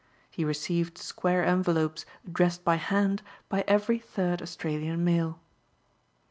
He received square envelopes addressed by hand by every third Australian mail.